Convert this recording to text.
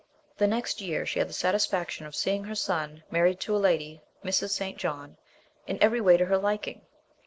The next year she had the satisfaction of seeing her son married to a lady (Mrs. St. John) in every way to her liking.